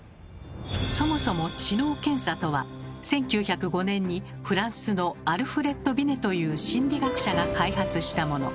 そもそも知能検査とは１９０５年にフランスのアルフレッド・ビネという心理学者が開発したもの。